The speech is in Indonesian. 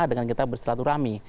dengan kita bersilaturahmi